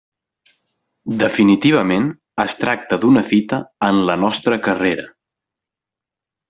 Definitivament, es tracta d'una fita en la nostra carrera.